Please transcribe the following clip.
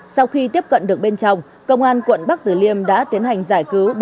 sau khi tiếp cận được bên trong công an quận bắc tử liêm đã tiến hành giải cứu